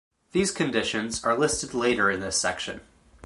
These conditions are listed later in this section.